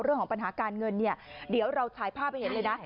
เรื่องของปัญหาการเงินเนี่ยเดี๋ยวเราถ่ายภาพให้เห็นเลยนะ